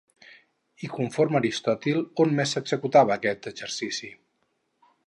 I conforme Aristòtil, on més s'executava aquest exercici?